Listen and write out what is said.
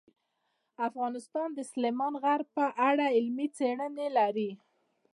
افغانستان د سلیمان غر په اړه علمي څېړنې لري.